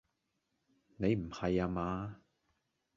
你唔係呀嘛？